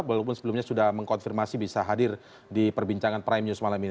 walaupun sebelumnya sudah mengkonfirmasi bisa hadir di perbincangan prime news malam ini